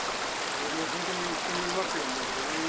もう本当に人によりますけど５年ぐらい。